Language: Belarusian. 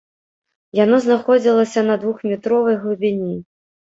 Яно знаходзілася на двухметровай глыбіні.